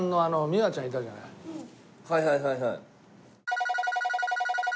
はいはいはいはい。